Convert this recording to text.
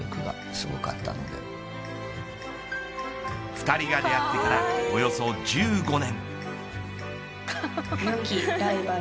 ２人が出会ってからおよそ１５年。